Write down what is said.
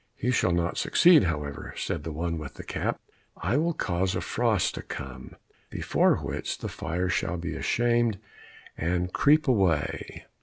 "He shall not succeed, however," said the one with the cap. "I will cause a frost to come, before which the fire shall be ashamed, and creep away."